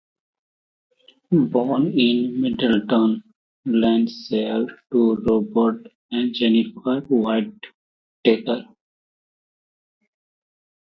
Born in Middleton, Lancashire, to Robert and Jennifer Whittaker.